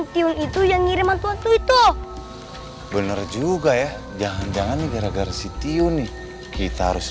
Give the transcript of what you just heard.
tiun itu yang ngirim waktu itu bener juga ya jangan jangan gara gara si tiun nih kita harus